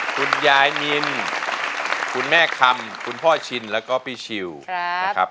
คุณยายนินคุณแม่คำคุณพ่อชินแล้วก็พี่ชิวนะครับ